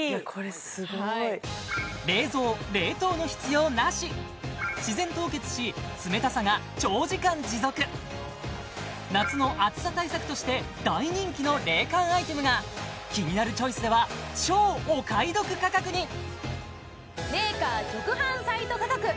はい自然凍結し冷たさが長時間持続夏の暑さ対策として大人気の冷感アイテムがキニナルチョイスでは超お買い得価格にメーカー直販サイト価格